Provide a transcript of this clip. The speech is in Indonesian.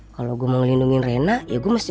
kalau gue mau ngelindungin reina ya gue mesti